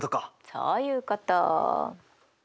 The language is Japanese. そういうこと！